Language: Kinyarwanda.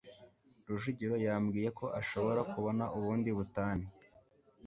rujugiro yambwiye ko ashobora kubona ubundi butane